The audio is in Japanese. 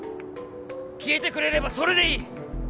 消えてくれればそれでいい